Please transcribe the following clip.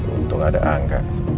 untung ada angka